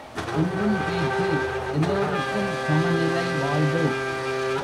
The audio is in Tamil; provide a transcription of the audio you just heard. இன்றும் பேச்சு, எல்லோருக்கும் சமநிலை வாழ்வு.